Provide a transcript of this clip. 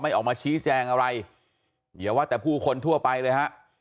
ออกมาชี้แจงอะไรอย่าว่าแต่ผู้คนทั่วไปเลยฮะ